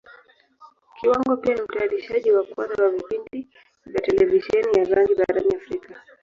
Kiwango pia ni Mtayarishaji wa kwanza wa vipindi vya Televisheni ya rangi barani Africa.